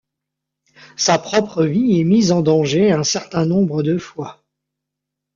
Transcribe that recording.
Sa propre vie est mise en danger un certain nombre de fois.